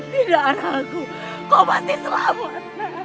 tidak anakku kau pasti selamat